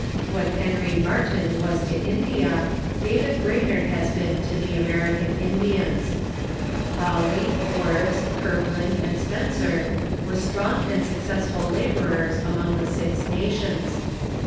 What Henry Mart5'n was to India, David Brainerd has been to the American Indians. Hawley, Forbes, Kirkland, and Spencer were strong and suc cessful laborers among the Six Nations.